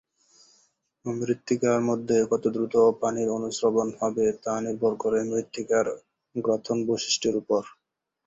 মৃত্তিকার মধ্যে কতদ্রুত পানির অনুস্রবণ হবে তা নির্ভর করে মৃত্তিকার গ্রথন বৈশিষ্ট্যের উপর।